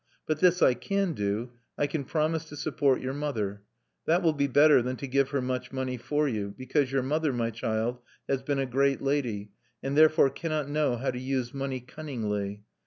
But this I can do: I can promise to support your mother. That will be better than to give her much money for you, because your mother, my child, has been a great lady, and therefore cannot know how to use money cunningly.